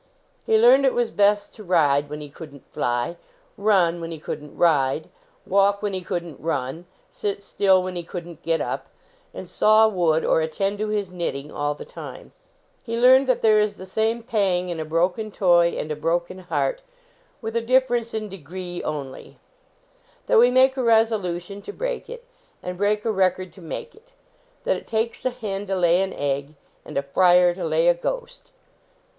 He learned it was best to ride when he couldn t fly, run when he couldn t ride, walk when he couldn t run, sit still when he couldn t get up, and saw wood or attend to his knitting all the time. He learned that there is the same pang in a broken toy and a broken heart, with a difference in degree only; that we make a resolution to break it, and break a record to make it ; that it takes a hen to lay an egg and a friar to lay a ghost ; that 120 Ami that it in never ton late to menrl, beraune the nttler a the won rejttiirx he nreilx.